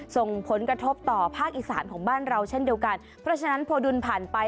ส่งผลกระทบต่อภาคอีสานของบ้านเราเช่นเดียวกันเพราะฉะนั้นโพดุลผ่านไป